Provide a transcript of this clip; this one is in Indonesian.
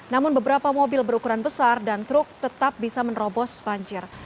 namun beberapa mobil berukuran besar dan truk tetap bisa menerobos banjir